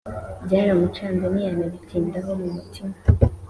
byaramucanze ntiyanabitindaho mumutima